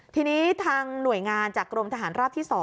ทีนี้ทางหน่วยงานจากกรมทหารราบที่๒